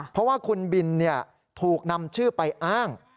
เพราะว่าคุณบินถูกนำชื่อไปอ้าง